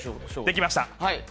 できました。